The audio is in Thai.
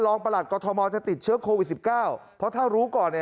ประหลัดกรทมจะติดเชื้อโควิด๑๙เพราะถ้ารู้ก่อน